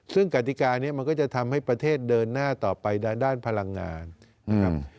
ซึ่งกติกานี้มันก็จะทำให้ประเทศเดินหน้าต่อไปด้านพลังงานนะครับ